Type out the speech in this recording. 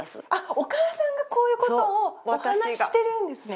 お母さんがこういうことをお話してるんですね。